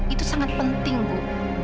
itu sangat penting bu